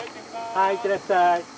はい行ってらっしゃい。